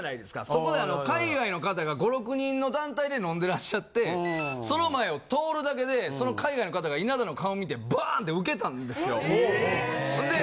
そこであの海外の方が５６人の団体で飲んでらっしゃってその前を通るだけでその海外の方が稲田の顔見てバーンとウケたんですよ。